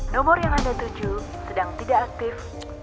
nomor yang anda tuju sedang tidak aktif